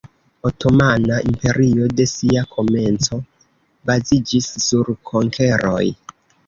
Otomana Imperio de sia komenco baziĝis sur konkeroj.